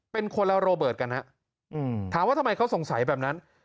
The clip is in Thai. เป็นคนละโรเบิร์ตกันฮะถามว่าทำไมเขาสงสัยแบบนั้น